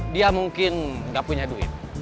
dia mungkin tidak punya duit